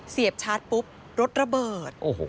เสียบชาร์จปุ๊บรถระเบิด